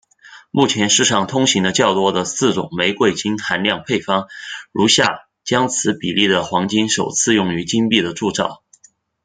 目前世上通行的较多的四种玫瑰金含量配方如下将此比例的黄金首次用于金币的铸造。